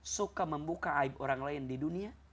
suka membuka aib orang lain di dunia